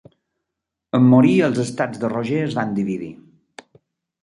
En morir, els estats de Roger es van dividir.